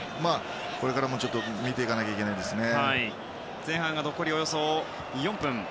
これからも見ていかないといけないですね。